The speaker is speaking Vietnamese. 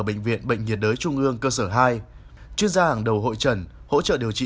bệnh viện bệnh nhiệt đới trung ương cơ sở hai chuyên gia hàng đầu hội trần hỗ trợ điều trị